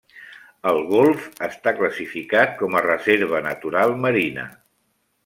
El Golf està classificat com a reserva natural marina.